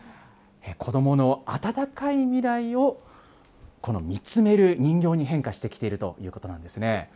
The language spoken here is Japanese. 子どもの温かい未来を、この見つめる人形に変化してきているということなんですね。